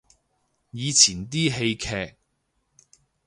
以前啲戲劇